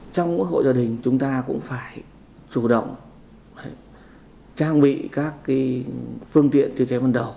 trong hội gia đình chúng ta cũng phải chủ động trang bị các phương tiện chứa cháy vần đầu